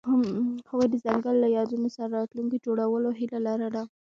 هغوی د ځنګل له یادونو سره راتلونکی جوړولو هیله لرله.